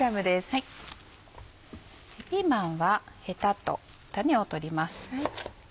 ピーマンはヘタと種を取ります。